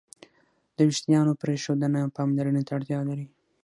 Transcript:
د وېښتیانو پرېښودنه پاملرنې ته اړتیا لري.